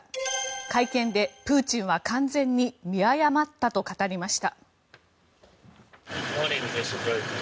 会見でプーチンは完全に見誤ったと語りました。